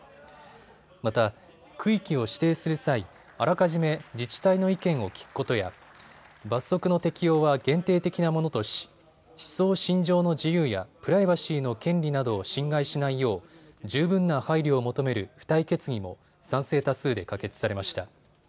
また区域を指定する際、あらかじめ自治体の意見を聴くことや罰則の適用は限定的なものとし思想信条の自由やプライバシーの権利などを侵害しないよう十分な配慮を求める付帯決議も賛成多数で可決されました。